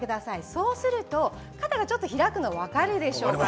そうすると肩がちょっと開くのが分かるでしょうか。